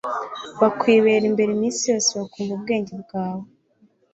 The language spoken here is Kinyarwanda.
bakwibera imbere iminsi yose, bakumva ubwenge bwawe